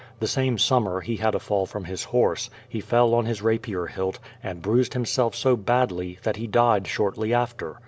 The same summer he had a fall from his horse ; he fell on his rapier hilt, and bruised himself so badly that he died shortly after.